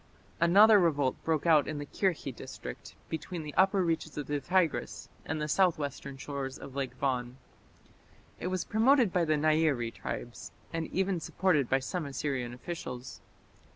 Another revolt broke out in the Kirkhi district between the upper reaches of the Tigris and the southwestern shores of Lake Van. It was promoted by the Nairi tribes, and even supported by some Assyrian officials.